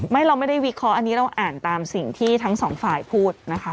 เราไม่ได้วิเคราะห์อันนี้เราอ่านตามสิ่งที่ทั้งสองฝ่ายพูดนะคะ